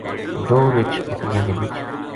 دو رچھ بکریاں کے بچ